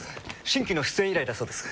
新規の出演依頼だそうです。